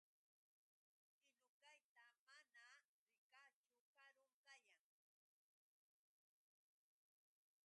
Kinukayta manam rikaachu. Karun kayan.